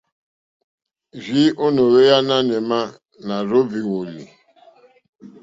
Rzìi ò no ohweya nanù ema, na rza ohvi woli.